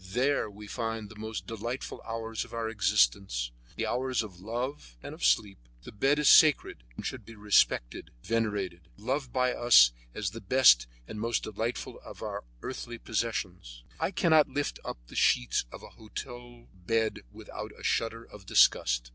There we find the most delightful hours of our existence, the hours of love and of sleep. The bed is sacred, and should be respected, venerated and loved by us as the best and most delightful of our earthly possessions. I cannot lift up the sheets of a hotel bed without a shudder of disgust.